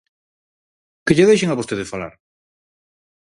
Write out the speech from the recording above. Que lle deixen a vostede falar.